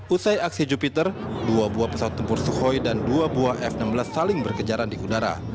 usai aksi jupiter dua buah pesawat tempur sukhoi dan dua buah f enam belas saling berkejaran di udara